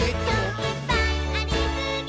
「いっぱいありすぎー！！」